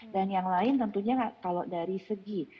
dan yang lain tentunya kalau dari segi